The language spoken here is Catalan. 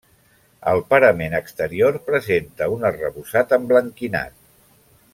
El parament exterior presenta un arrebossat emblanquinat.